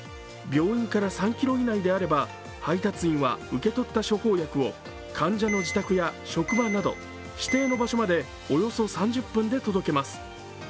病院から３ｋｍ以内であれば、配達員は受け取った処方薬を患者の自宅や職場など指定の場所までおよそ３０分で届けます。